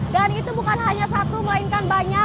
dan itu bukan hanya satu melainkan banyak